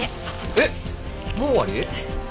えっもう終わり？